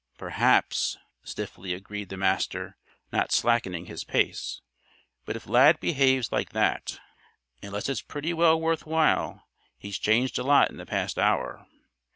"Perhaps," stiffly agreed the Master, not slackening his pace. "But if Lad behaves like that, unless it's pretty well worth while, he's changed a lot in the past hour.